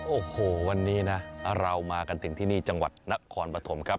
โอ้โหวันนี้นะเรามากันถึงที่นี่จังหวัดนครปฐมครับ